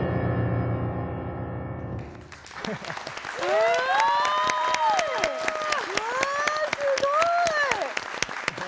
すごい！わすごい！